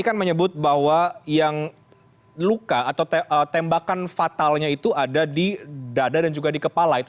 kan menyebut bahwa yang luka atau tembakan fatalnya itu ada di dada dan juga di kepala itu